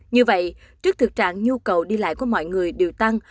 như vậy trước thực trạng nhu cầu đi lại của mọi người đều tăng